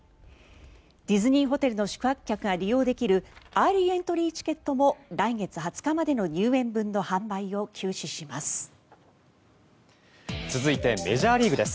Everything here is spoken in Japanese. ディズニーホテルの宿泊客が利用できるアーリーエントリーチケットも来月２０日までの入園分の販売を休止します。